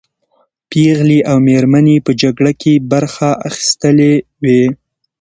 پېغلې او مېرمنې په جګړه کې برخه اخیستلې وې.